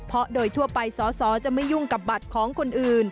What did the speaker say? เพราะโดยทั่วไปสอสอจะไม่ยุ่งกับบัตรของคนอื่น